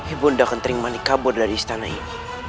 ibu tidak akan teringmanikabur dari istana ini